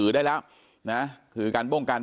เป็นมีดปลายแหลมยาวประมาณ๑ฟุตนะฮะที่ใช้ก่อเหตุ